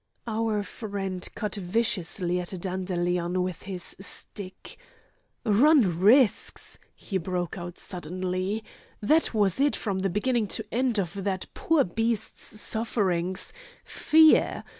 Our friend cut viciously at a dandelion with his stick. "Run risks!" he broke out suddenly: "That was it from beginning to end of that poor beast's sufferings, fear!